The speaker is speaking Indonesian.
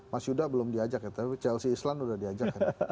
mas yuda belum diajak ya tapi chelsea island udah diajak kan